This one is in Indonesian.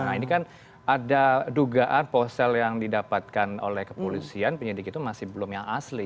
nah ini kan ada dugaan ponsel yang didapatkan oleh kepolisian penyidik itu masih belum yang asli